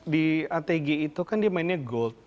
di atg itu kan dia mainnya gold